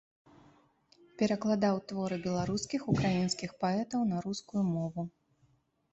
Перакладаў творы беларускіх, украінскіх паэтаў на рускую мову.